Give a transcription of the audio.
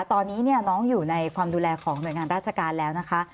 ตอนนี้น้องอยู่ในความดูแลของหน่วยงานราชการแล้วนะคะ